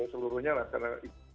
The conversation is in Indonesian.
seluruhnya lah karena